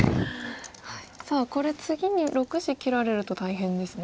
さあこれ次に６子切られると大変ですね。